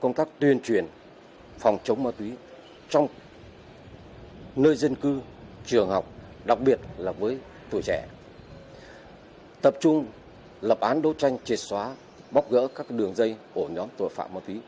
công an tỉnh khánh hòa đã sử dụng các đường dây ổn nhóm tội phạm ma túy